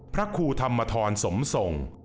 พระครูธรรมทรสมทรง